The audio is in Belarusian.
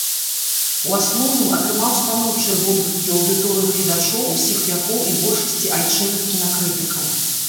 У асноўным атрымаў станоўчыя водгукі ў аўдыторыі гледачоў усіх вякоў і большасці айчынных кінакрытыкаў.